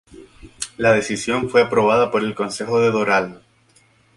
La decisión fue aprobada por el Concejo de Doral.